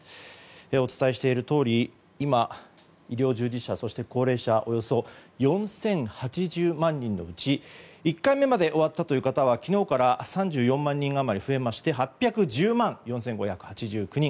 お伝えしているとおり、今医療従事者、そして高齢者およそ４０８０万人のうち１回目まで終わった方は昨日から３４万人余り増えまして８１０万４５８９人。